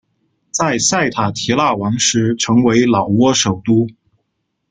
在塞塔提腊王时成为老挝首都。